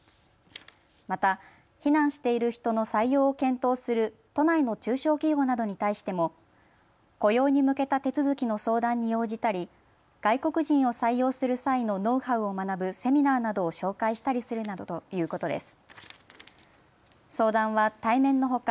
また避難している人の採用を検討する都内の中小企業などに対しても雇用に向けた手続きの相談に応じたり外国人を採用する際のノウハウを学ぶセミナーなどを紹介したりするなどということです。